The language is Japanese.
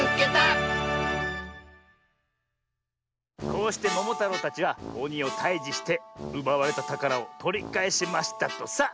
「こうしてももたろうたちはおにをたいじしてうばわれたたからをとりかえしましたとさ。